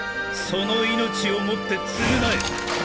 その命をもって償え。